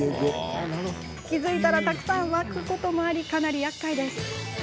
気付いたらたくさん湧くこともありかなり、やっかいです。